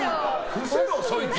伏せろ、そいつ。